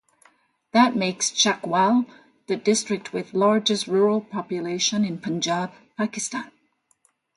That makes Chakwal, the district with largest rural population in Punjab, Pakistan.